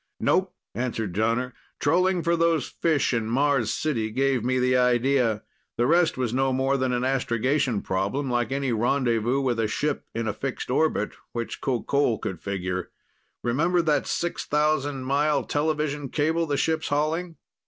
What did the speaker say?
"Nope," answered Jonner. "Trolling for those fish in Mars City gave me the idea. The rest was no more than an astrogation problem, like any rendezvous with a ship in a fixed orbit, which Qoqol could figure. Remember that 6,000 mile television cable the ship's hauling?